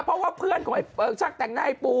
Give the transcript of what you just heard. เพราะว่าเพื่อนของช่างแต่งหน้าไอ้ปู